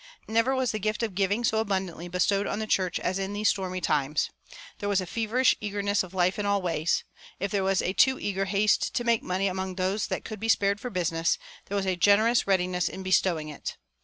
Never was the gift of giving so abundantly bestowed on the church as in these stormy times. There was a feverish eagerness of life in all ways; if there was a too eager haste to make money among those that could be spared for business, there was a generous readiness in bestowing it.